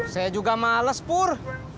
saya juga males pur